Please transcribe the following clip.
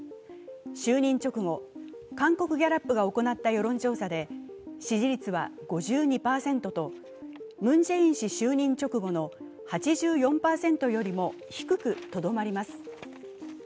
就任直後、韓国ギャラップが行った世論調査で支持率は５２％とムン・ジェイン氏就任直後の８４％よりも低くとどまります。